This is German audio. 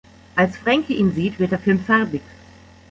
Als Frankie ihn sieht, wird der Film farbig.